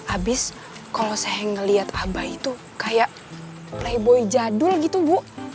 abis kalau saya melihat abah itu kayak playboi jadul gitu bu